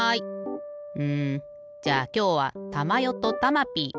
うんじゃあきょうはたまよとたまピー。